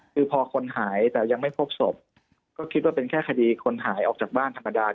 คือพอคนหายแต่ยังไม่พบศพก็คิดว่าเป็นแค่คดีคนหายออกจากบ้านธรรมดา